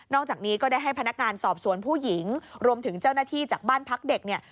จากนี้ก็ได้ให้พนักงานสอบสวนผู้หญิงรวมถึงเจ้าหน้าที่จากบ้านพักเด็กเนี่ย